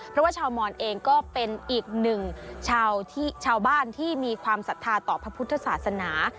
เพราะว่าชาวมอนเองก็เป็นอีกหนึ่งชาวบ้านที่มีความศรัทธาต่อพระพุทธศาสนา